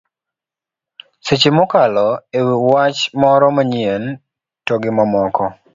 seche mokalo e wach moro manyien to gi mamoko